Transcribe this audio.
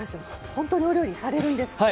ほんとにお料理されるんですって。